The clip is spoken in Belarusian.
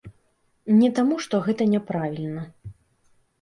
Не таму, што гэта няправільна.